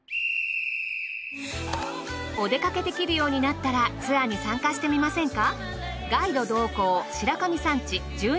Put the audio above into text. お出かけできるようになったらツアーに参加してみませんか？